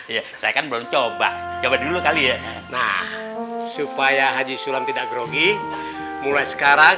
iya saya kan belum coba coba dulu kali ya nah supaya haji sulam tidak grogi mulai sekarang